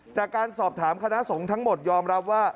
จากการสอบถามคณะสงฆ์ทั้งหมดยอมรับว่า